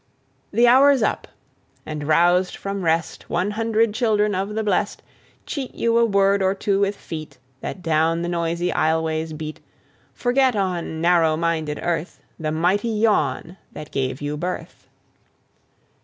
The hour's up... and roused from rest One hundred children of the blest Cheat you a word or two with feet That down the noisy aisle ways beat... Forget on narrow minded earth The Mighty Yawn that gave you birth."